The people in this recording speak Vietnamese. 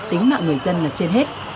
tính mạng người dân là trên hết